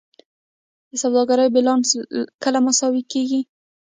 د سوداګرۍ بیلانس کله مساوي کیږي؟